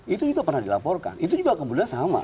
itu juga pernah dilaporkan itu juga kemudian sama